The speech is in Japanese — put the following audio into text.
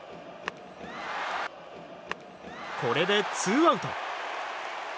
これでツーアウト。